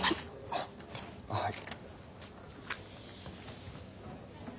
あっはい。